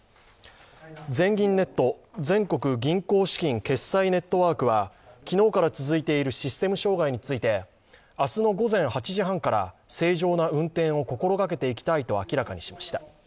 全銀ネット＝全国銀行資金決済ネットワークは昨日から続いているシステム障害について明日の午前８時半から、正常な運転を心がけていきたいと明らかにしました。